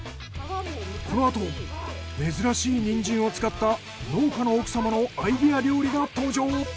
このあと珍しいニンジンを使った農家の奥様のアイデア料理が登場。